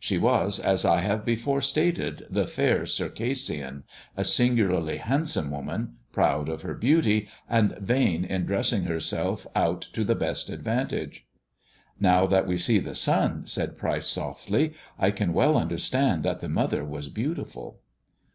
She was, as I have before stated, the Fair Circassian, a singularly handsome woman, proud of her beauty, and vain in dressing herself out to the best advantage." "Now that we see the son," said Pryce softly, "I can well understand that the mother was beautiful."